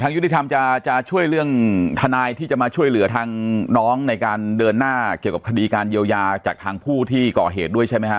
ยุติธรรมจะช่วยเรื่องทนายที่จะมาช่วยเหลือทางน้องในการเดินหน้าเกี่ยวกับคดีการเยียวยาจากทางผู้ที่ก่อเหตุด้วยใช่ไหมฮะ